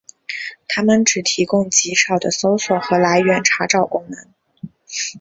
它们只提供极少的搜索和来源查找功能。